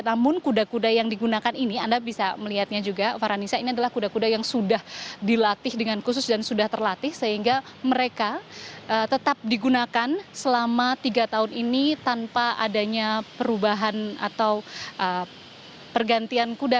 namun kuda kuda yang digunakan ini anda bisa melihatnya juga farhanisa ini adalah kuda kuda yang sudah dilatih dengan khusus dan sudah terlatih sehingga mereka tetap digunakan selama tiga tahun ini tanpa adanya perubahan atau pergantian kuda